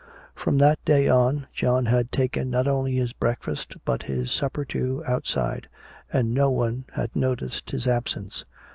From that day on, John had taken not only his breakfast but his supper, too, outside, and no one had noticed his absence.